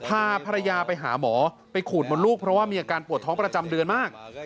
พาภรรยาไปหาหมอไปขูดมดลูกเพราะว่ามีอาการปวดท้องประจำเดือนมาก